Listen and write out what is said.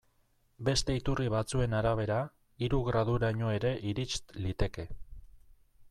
Beste iturri batzuen arabera, hiru graduraino ere irits liteke.